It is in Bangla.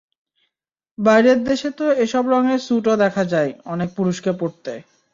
বাইরের দেশে তো এসব রঙের স্যুটও দেখা যায় অনেক পুরুষকে পরতে।